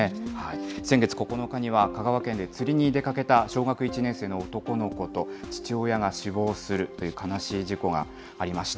先月９日には香川県で釣りに出かけた小学１年生の男の子と、父親が死亡するという悲しい事故がありました。